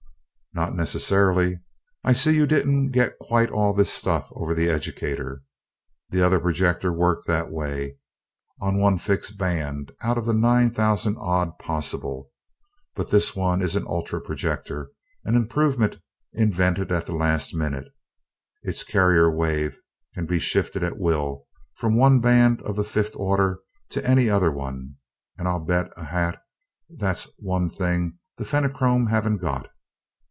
"Not necessarily I see you didn't get quite all this stuff over the educator. The other projector worked that way, on one fixed band out of the nine thousand odd possible. But this one is an ultra projector, an improvement invented at the last minute. Its carrier wave can be shifted at will from one band of the fifth order to any other one; and I'll bet a hat that's one thing the Fenachrone haven't got!